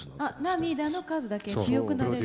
「涙の数だけ強くなれるよ」